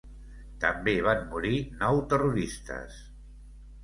També van morir nou terroristes.